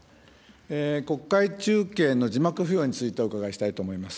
国会中継の字幕付与についてお伺いしたいと思います。